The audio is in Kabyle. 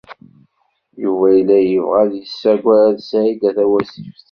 Yuba yella yebɣa ad yessaged Saɛida Tawasift.